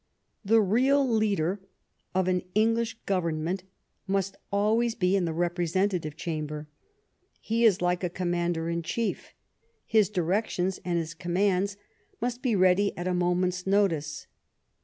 The real leader of an English Government must always be in the Representative Chamber. . He is like a commander in chief. His directions and his com GLADSTONE'S FIRST PARLIAMENT 41 mands must be ready at a moment's notice.